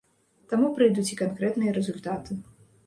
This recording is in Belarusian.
Таму прыйдуць і канкрэтныя рэзультаты.